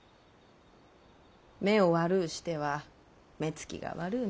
目を悪うしては目つきが悪うなる。